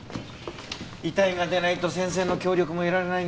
遺体が出ないと先生の協力も得られないねえ。